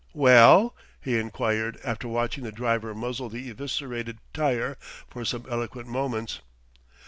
"Well?" he enquired after watching the driver muzzle the eviscerated tyre for some eloquent moments.